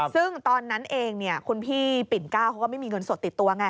ซึ่งตอนนั้นเองคุณพี่ปิ่นก้าวเขาก็ไม่มีเงินสดติดตัวไง